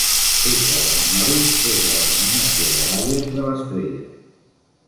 "Eta Geminorum" és la denominació de Bayer de l'estrella.